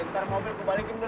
ntar mobil gua balikin dulu